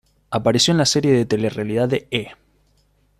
Apareció en la serie de telerrealidad de E!